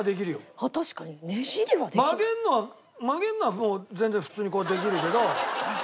曲げるのは曲げるのはもう全然普通にこうできるけど。